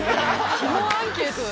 基本アンケート。